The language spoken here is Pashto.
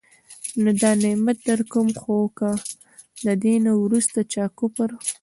نو دا نعمت درکوم، خو که د دي نه وروسته چا کفر